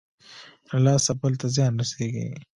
له لاسه بل ته زيان رسېږي.